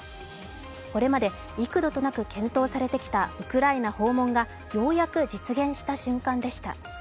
これまで幾度となく検討されてきたウクライナ訪問が、ようやく実現した瞬間でした。